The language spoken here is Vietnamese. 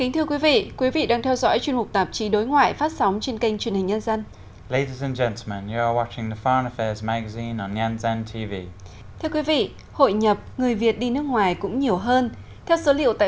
thưa quý vị quý vị đang theo dõi chuyên mục tạp chí đối ngoại phát sóng trên kênh truyền hình nhân dân